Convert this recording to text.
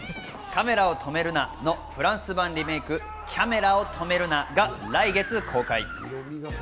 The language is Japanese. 『カメラを止めるな！』のフランス版リメーク、『キャメラを止めるな！』が来月公開。